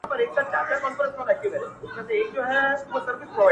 د مودو ستړي ته دي يواري خنــدا وكـړه تـه,